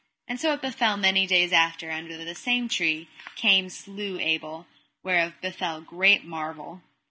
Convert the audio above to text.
And so it befell many days after, under the same tree Caym slew Abel, whereof befell great marvel.